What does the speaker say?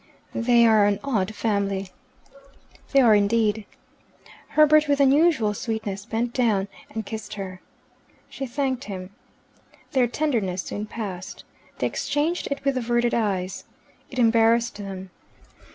"They are an odd family." "They are indeed." Herbert, with unusual sweetness, bent down and kissed her. She thanked him. Their tenderness soon passed. They exchanged it with averted eyes. It embarrassed them.